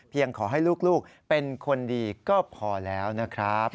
ขอให้ลูกเป็นคนดีก็พอแล้วนะครับ